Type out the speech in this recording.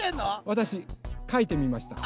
わたしかいてみました。